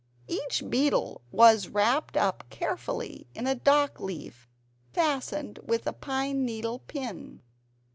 Each beetle was wrapped up carefully in a dockleaf, fastened with a pine needle pin.